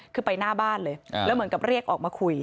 คือไปหน้าบ้านเลยแล้วเหมือนกับเรียกออกมาคุย